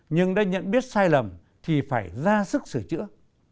nhưng đã nhận biết sai lầm thì phải ra sức sửa chữa